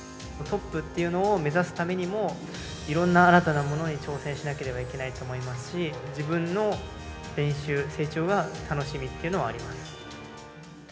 トップっていうのを目指すためにも、いろんな新たなものに挑戦しなければいけないと思いますし、自分の練習、成長が楽しみというのはあります。